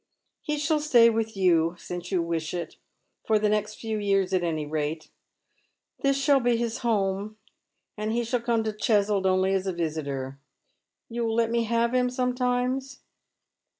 He shall stay with you, since you wish it, for the next few years at any rate. This shall be his home, and he shall come to Cheswold only as a visitor. You will let me have him sometimes